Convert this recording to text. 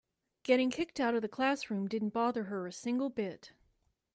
Getting kicked out of the classroom didn't bother her a single bit.